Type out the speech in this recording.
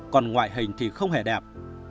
còn ngoại hình thì không hề đẹp